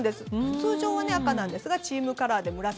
通常は赤なんですがチームカラーで紫。